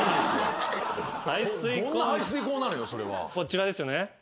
こちらですね。